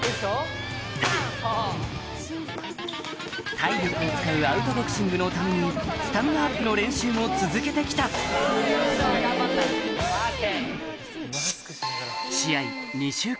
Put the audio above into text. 体力を使うアウトボクシングのためにスタミナアップの練習も続けて来た頑張ったＯＫ！